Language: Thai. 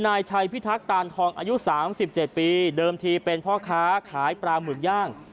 นายชัยพิทักษานทองอายุ๓๗ปีเดิมทีเป็นพ่อค้าขายปลาหมึกย่าง